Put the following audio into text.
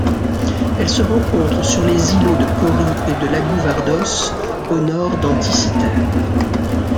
Elle se rencontre sur les îlots de Pori et de Lagouvardos, au Nord d'Anticythère.